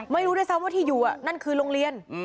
ไม่รู้ด้วยซ้ำว่าที่อยู่นั่นคือโรงเรียน